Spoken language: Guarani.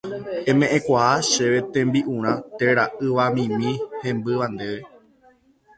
eme'ẽkuaa chéve tembi'urã térã yvamimi hembýva ndéve